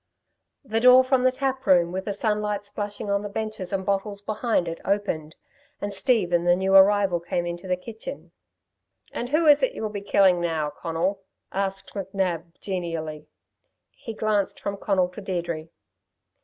The door from the tap room, with the sunlight splashing on the benches and bottles behind it, opened, and Steve and the new arrival came into the kitchen. "And who is it y'll be killing now, Conal?" asked McNab genially. He glanced from Conal to Deirdre.